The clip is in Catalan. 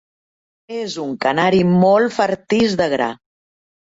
És un canari molt fartís de gra.